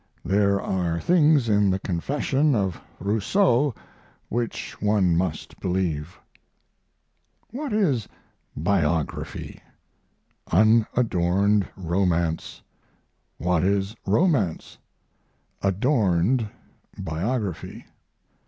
There are things in the confession of Rousseau which one must believe. What is biography? Unadorned romance. What is romance? Adorned biography.